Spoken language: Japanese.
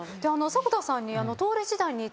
迫田さんに。